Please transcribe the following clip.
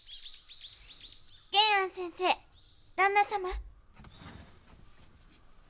玄庵先生旦那様。